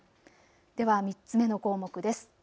では３つ目の項目です。